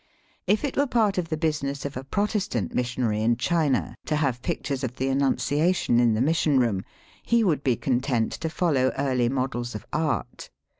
If it were part of the business of a Protestant missionary in China to have pictures of the Annunciation in the mission room, he would be content to follow early models of art.